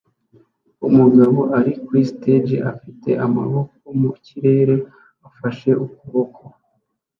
Umugabo ari kuri stage afite amaboko mu kirere afashe ukuboko